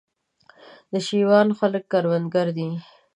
د شېوان خلک کروندګر دي